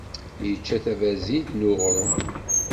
Yečča tabazint n uɣṛum.